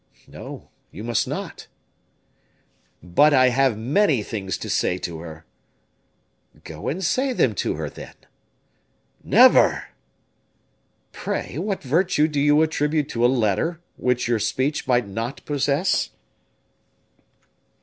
"No, you must not." "But I have many things to say to her." "Go and say them to her, then." "Never!" "Pray, what virtue do you attribute to a letter, which your speech might not possess?"